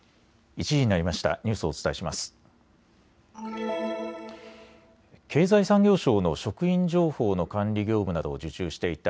１時になりました。